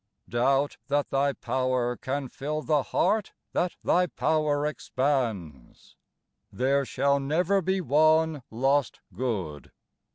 Doubt that Thy power can fill the heart that Thy power expands ? There shall never be one lost good